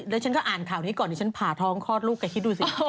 เดี๋ยวฉันก็อ่านข่าวนี้ก่อนดิฉันผ่าท้องคลอดลูกแกคิดดูสิ